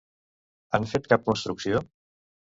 Han fet cap construcció?